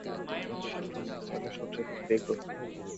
অথচ আপেক্ষিকতার সূত্র ম্যাক্সওয়েলের সূত্রের ভিত্তিতেই গ্রোথিত।